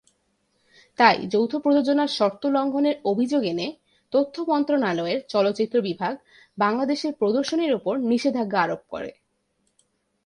তাই যৌথ প্রযোজনার শর্ত লঙ্ঘনে’র অভিযোগ এনে তথ্য মন্ত্রনালয়ের "চলচ্চিত্র বিভাগ" বাংলাদেশে এর প্রদর্শনীর ওপর নিষেধাজ্ঞা আরোপ করে।